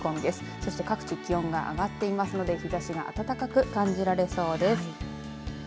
そして各地気温が上がっていますので日ざしが暖かく感じられそうです。